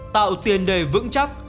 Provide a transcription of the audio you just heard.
tạo tiền đề vững chắc